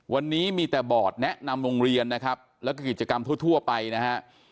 วันนี้มีแต่บอร์ดแนะนำโรงเรียนนะครับแล้วก็กิจกรรมทั่วไปนะฮะ